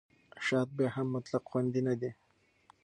شات بیا هم مطلق خوندي نه دی.